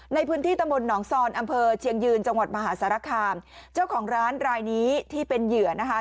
ในพื้นที่ตำบลหนองซอนอำเภอเชียงยืนจังหวัดมหาสารคามเจ้าของร้านรายนี้ที่เป็นเหยื่อนะคะ